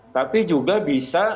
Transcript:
tapi juga bisa